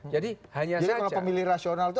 jadi kalau pemilih rasional itu